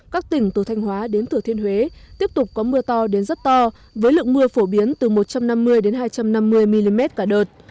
các tỉnh từ thanh hóa đến thử thiên huế tiếp tục có mưa to đến rất to với lượng mưa phổ biến từ một trăm năm mươi hai trăm năm mươi mm cả đợt